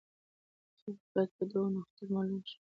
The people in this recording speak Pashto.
هغې وویل باید د ونو خطر مالوم شي.